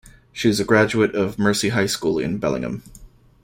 She is a graduate of Mercy High School in Burlingame.